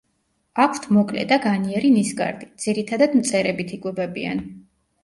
აქვთ მოკლე და განიერი ნისკარტი, ძირითადად მწერებით იკვებებიან.